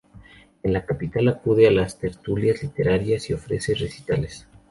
En la capital acude a las tertulias literarias y ofrece recitales.